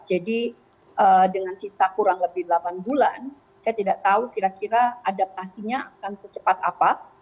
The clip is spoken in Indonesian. jadi dengan sisa kurang lebih delapan bulan saya tidak tahu kira kira adaptasinya akan secepat apa